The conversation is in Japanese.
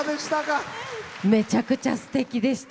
めちゃくちゃすてきでした。